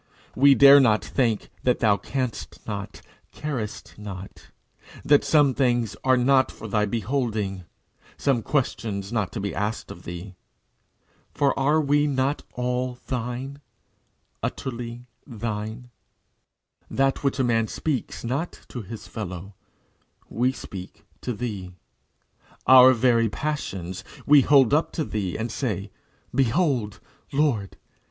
We dare not think that thou canst not, carest not; that some things are not for thy beholding, some questions not to be asked of thee. For are we not all thine utterly thine? That which a man speaks not to his fellow, we speak to thee. Our very passions we hold up to thee, and say, "Behold, Lord!